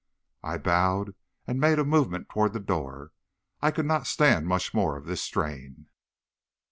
"I bowed, and made a movement toward the door. I could not stand much more of this strain.